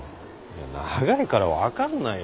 長いから分かんないよ。